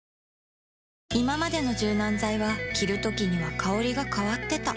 いままでの柔軟剤は着るときには香りが変わってた